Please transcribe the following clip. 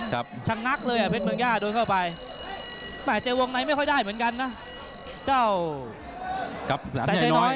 แต่เจววงในแดดไม่ได้เหมือนกันนะเจ้าแสน๓๕๐๗๐